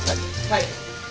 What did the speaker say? はい。